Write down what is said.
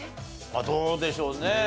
どうでしょうね。